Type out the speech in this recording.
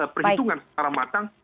perhitungan secara matang